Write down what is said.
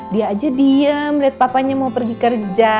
dia aja diem melihat papanya mau pergi kerja